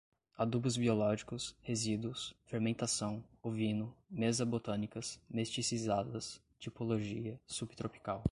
adubos biológicos, resíduos, fermentação, ovino, mesa-botânicas, mesticizadas, tipologia, sub-tropical